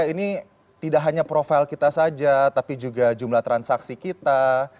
ini tidak hanya profil kita saja tapi juga jumlah transaksi kita